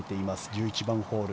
１１番ホール。